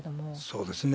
そうですね。